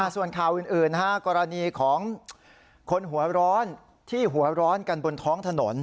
ส่วนข่าวอื่นกรณีของคนหัวร้อนที่หัวร้อนกันบนท้องถนน